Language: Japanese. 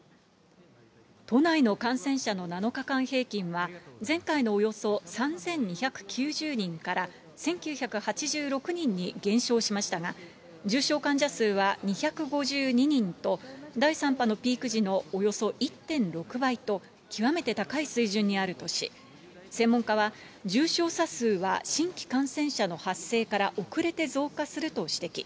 都内の感染者の７日間平均は、前回のおよそ３２９０人から１９８６人に減少しましたが、重症患者数は２５２人と、第３波のピーク時のおよそ１．６倍と、極めて高い水準にあるとし、専門家は重症者数は新規感染者の発生から遅れて増加すると指摘。